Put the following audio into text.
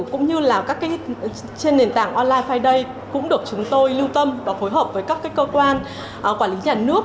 cũng như là trên nền tảng online friday cũng được chúng tôi lưu tâm và phối hợp với các cơ quan quản lý nhà nước